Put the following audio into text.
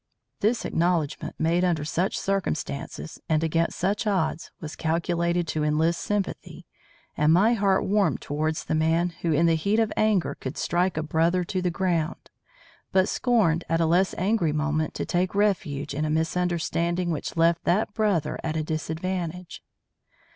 This acknowledgment made under such circumstances and against such odds was calculated to enlist sympathy, and my heart warmed towards the man who in the heat of anger could strike a brother to the ground, but scorned at a less angry moment to take refuge in a misunderstanding which left that brother at a disadvantage.